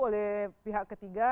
oleh pihak ketiga